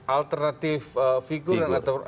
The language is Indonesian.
alternatif figur atau alternatif koalisi